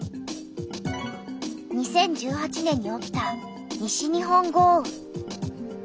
２０１８年に起きた西日本豪雨。